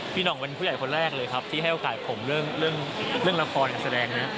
หน่องเป็นผู้ใหญ่คนแรกเลยครับที่ให้โอกาสผมเรื่องละครการแสดงนี้